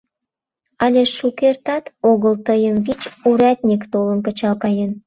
Але шукертат огыл тыйым вич урядник толын кычал каен.